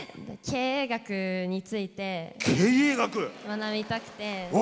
経営学について学びたくて。